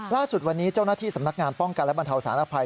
ล่าสุดวันนี้เจ้าหน้าที่สำนักงานป้องกันและบรรเทาสารภัย